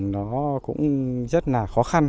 nó cũng rất là khó khăn